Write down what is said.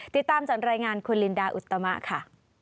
ติดตามจากรายงานคุณลินดาอุตมะค่ะ